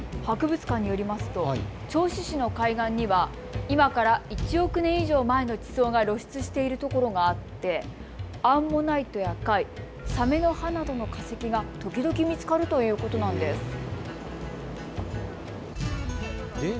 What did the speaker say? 博物館によりますと銚子市の海岸には今から１億年以上前の地層が露出しているところがあって、アンモナイトや貝、サメの歯などの化石が時々、見つかるということなんです。